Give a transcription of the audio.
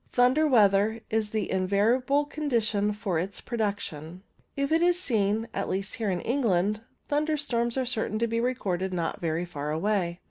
Thunder weather is the invariable condition for its production. If it is seen, at least in England, thunderstorms are certain to be recorded not very far away.